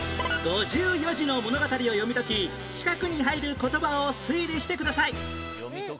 ５４字の物語を読み解き四角に入る言葉を推理してください